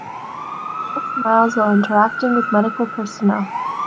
A girl smiles while interacting with medical personnel